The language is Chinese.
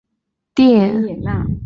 电影版是影迷们激烈争执的焦点。